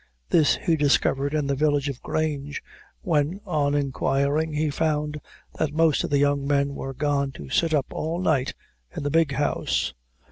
This he discovered in the village of Grange, when, on inquiring, he found that most of the young men were gone to sit up all night in the "big house".